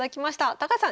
高橋さん